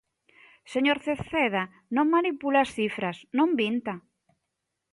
Señor Cerceda, non manipule as cifras, non minta.